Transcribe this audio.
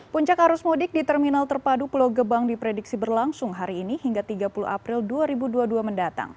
puncak arus mudik di terminal terpadu pulau gebang diprediksi berlangsung hari ini hingga tiga puluh april dua ribu dua puluh dua mendatang